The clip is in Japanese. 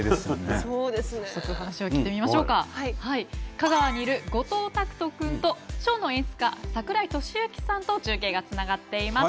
香川にいる後藤匠人くんとショーの演出家櫻井俊行さんと中継がつながっています。